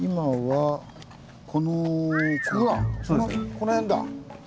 この辺だ。